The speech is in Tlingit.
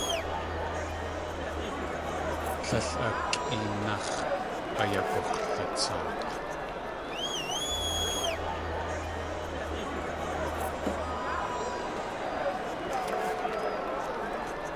Tlél a kʼéenáx̲ ayagux̲latsaak̲.